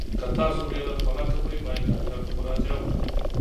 که تاسو ډیر خوله کوئ، باید ډاکټر ته مراجعه وکړئ.